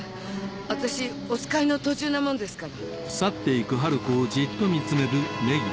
私おつかいの途中なもんですから。